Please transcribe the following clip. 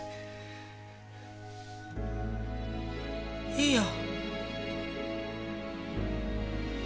いいよ。